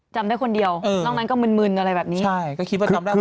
จำได้คนเดียวนอกนั้นก็มืนอะไรแบบนี้